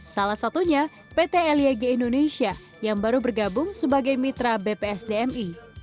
salah satunya pt lieg indonesia yang baru bergabung sebagai mitra bpsdmi